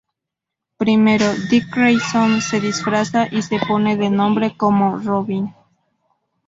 Primero, Dick Grayson se disfraza y se pone de nombre como Robin.